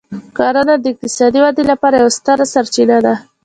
کرنه د اقتصادي ودې لپاره یوه ستره سرچینه ده.